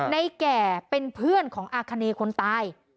แก่เป็นเพื่อนของอาคณีคนตาย